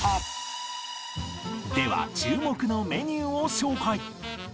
では注目のメニューを紹介